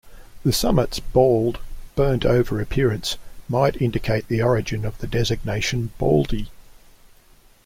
The summit's bald, burnt-over appearance might indicate the origin of the designation "Baldy".